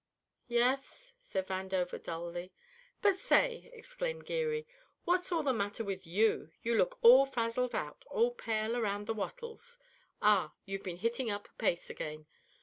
"Yes?" said Vandover, dully. "But, say," exclaimed Geary, "what's all the matter with you? You look all frazzled out, all pale around the wattles. Ah, you've been hitting up a pace again.